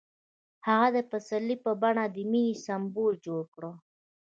هغه د پسرلی په بڼه د مینې سمبول جوړ کړ.